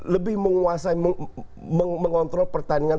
lebih menguasai mengontrol pertandingan